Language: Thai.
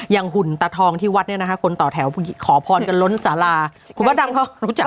หุ่นตาทองที่วัดเนี่ยนะคะคนต่อแถวขอพรกันล้นสาราคุณพระดำเขารู้จัก